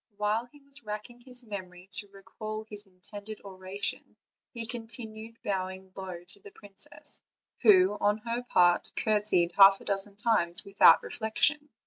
While he was racking his memory to recall his intended oration, he continued bowing low to the princess, who, OLD, OLD FAIR? TALES. 341 On her part, courtesied half a dozen times without reflec tion.